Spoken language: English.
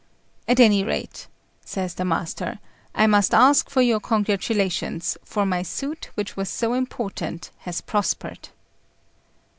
"At any rate," says the master, "I must ask for your congratulations; for my suit, which was so important, has prospered."